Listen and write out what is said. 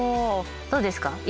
どうですか？